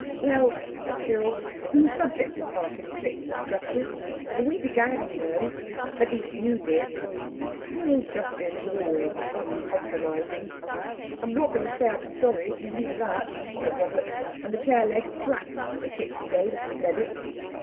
"Well," said Cyril, who was subject to passing fits of justice, "we began, you know. At least you did." Cyril's justice was always uncompromising. "I'm not going to say I'm sorry if you mean that," said Robert, and the chair leg cracked to the kick he gave as he said it.